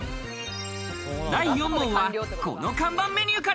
第４問はこの看板メニューから。